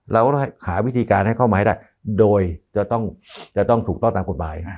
เราต้องหาวิธีการให้เข้ามาให้ได้โดยจะต้องถูกต้องตามกฎหมาย